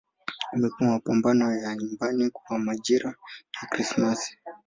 Umekuwa mapambo ya nyumbani kwa majira ya Krismasi.